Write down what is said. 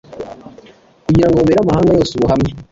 kugira ngo bubere amahanga yose ubuhamya,